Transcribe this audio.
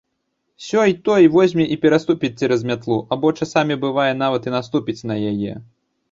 Сёй-той возьме і пераступіць цераз мятлу або часамі, бывае, нават і наступіць на яе.